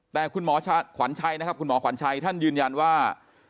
แต่คุณหมอขวัญชัยท่านยืนยันว่า